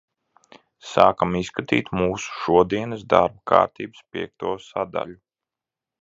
Sākam izskatīt mūsu šodienas darba kārtības piekto sadaļu.